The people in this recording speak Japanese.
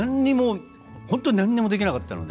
本当なんにもできなかったので。